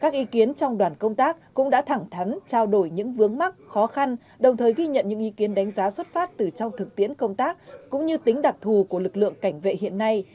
trên cơ sở nghiên cứu việc sửa đổi những vướng mắt khó khăn đồng thời ghi nhận những ý kiến đánh giá xuất phát từ trong thực tiễn công tác cũng như tính đặc thù của lực lượng cảnh vệ hiện nay